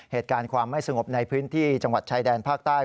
เหตุการณ์ความไม่สงบในพื้นที่จังหวัดชายแดนภาคใต้